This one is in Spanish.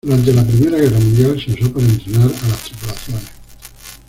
Durante la Primera Guerra Mundial se usó para entrenar a las tripulaciones.